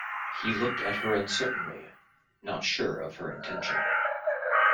He looked at her uncertainly, not sure of her intention.